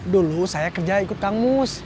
dulu saya kerja ikut kang mus